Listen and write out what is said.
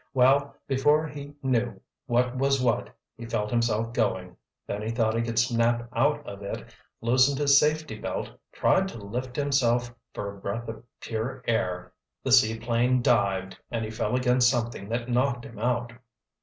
Well, before he knew what was what, he felt himself going. Then he thought he could snap out of it, loosened his safety belt, tried to lift himself for a breath of pure air—the seaplane dived, and he fell against something that knocked him out!"